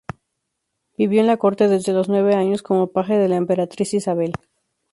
Vivió en la corte desde los nueve años como paje de la emperatriz Isabel.